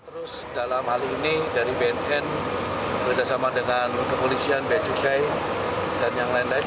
terus dalam hal ini dari bnn bekerjasama dengan kepolisian becukai dan yang lain lain